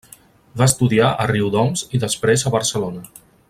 Va estudiar a Riudoms i després a Barcelona.